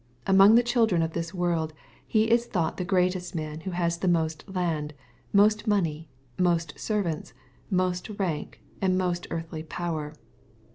Among the children of this world, he is thought the greatest man who has most land, most money, most servants, most rank, and most earthly power.